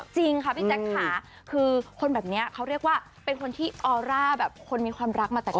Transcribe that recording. จริงค่ะพี่แจ๊คค่ะคือคนแบบนี้เขาเรียกว่าเป็นคนที่ออร่าแบบคนมีความรักมาแต่ก่อน